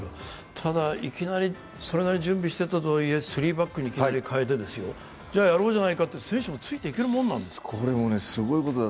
ただそれなりに準備していたとはいえ、スリーバックに切り替えてやろうじゃないかと、選手もついていけるものなんですか？